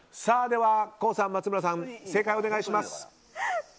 では、ＫＯＯさん、松村さん正解をお願いします。